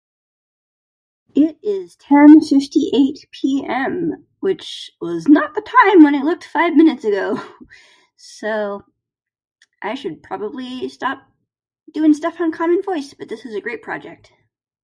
It is ten fifty eight p.m. which was not the time when I looked five minutes ago. So, I should probably stop doing stuff on Common Voice, but this is a great project.